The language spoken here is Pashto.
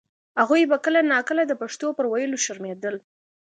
هغوی به کله نا کله د پښتو پر ویلو شرمېدل.